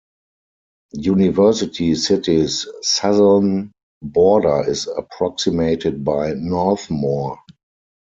University City's southern border is approximated by Northmoor.